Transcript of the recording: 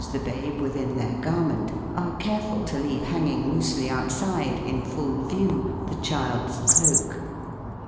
the babe within their garment, are careful to leave hanging loosely outside, in full view, the child's cloak.